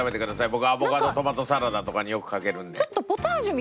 僕アボカドトマトサラダとかによくかけるんで。